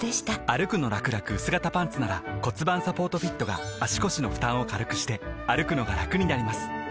「歩くのらくらくうす型パンツ」なら盤サポートフィットが足腰の負担を軽くしてくのがラクになります覆个△